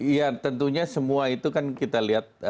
ya tentunya semua itu kan kita lihat